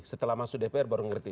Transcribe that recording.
setelah masuk dpr baru ngerti